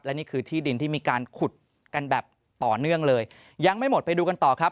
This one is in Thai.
นี่คือที่ดินที่มีการขุดกันแบบต่อเนื่องเลยยังไม่หมดไปดูกันต่อครับ